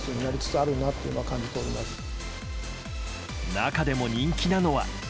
中でも人気なのは。